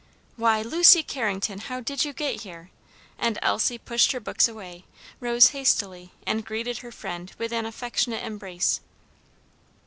"Why, Lucy Carrington! how did you get here?" and Elsie pushed her books away, rose hastily and greeted her friend with an affectionate embrace.